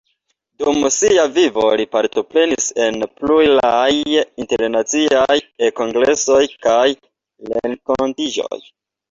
Dum sia vivo li partoprenis en pluraj internaciaj e-kongresoj kaj renkontiĝoj.